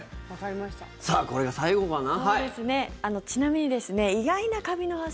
さあ、これが最後かな。